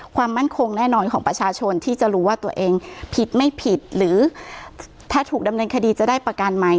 ความมั่นคงแน่นอนของประชาชนที่จะรู้ว่าตัวเองผิดไม่ผิดหรือถ้าถูกดำเนินคดีจะได้ประกันไหม